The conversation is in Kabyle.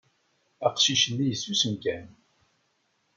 Aqcic-nni yessusem kan.